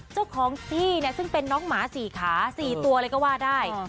เจ้าของที่เนี่ยซึ่งเป็นน้องหมา๔ขา๔ตัวเลยก็ว่าได้